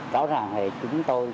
rõ ràng thì chúng tôi